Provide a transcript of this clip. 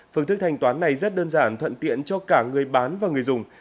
phương thức thanh toán này rất đơn giản thuận tiện cho cả người bán và người dùng